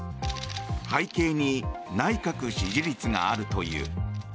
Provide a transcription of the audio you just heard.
背景に内閣支持率があるという。